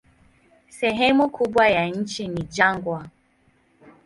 Sehemu kubwa ya nchi ni jangwa.